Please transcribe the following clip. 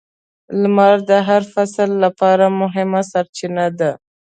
• لمر د هر فصل لپاره مهمه سرچینه ده.